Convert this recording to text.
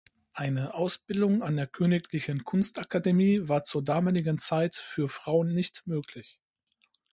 Eine Ausbildung an der Königlichen Kunstakademie war zur damaligen Zeit für Frauen nicht möglich.